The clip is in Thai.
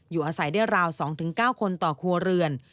อยู่อาศัยได้ราว๒๙คนต่อครัวเรือน